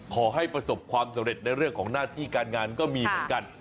ขอให้ประสบความสำเร็จในเรื่องของหน้าที่การงานก็มีเหมือนกัน